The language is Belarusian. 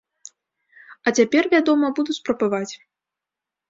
А цяпер, вядома, буду спрабаваць.